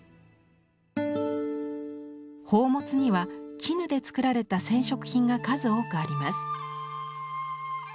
宝物には絹で作られた染織品が数多くあります。